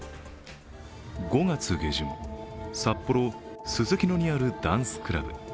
５月下旬、札幌・ススキノにあるダンスクラブ。